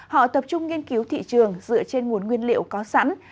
họ tập trung nghiên cứu thị trường dựa trên nguồn nguyên liệu có sẵn